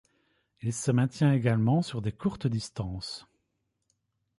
Il se maintient également sur des courtes distances.